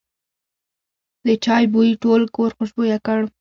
د چای بوی ټول کور خوشبویه کړ.